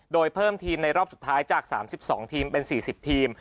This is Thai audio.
โดยเพิ่มทีมในรอบสุดท้ายจาก๓๒ทีมเป็น๔๐ทีม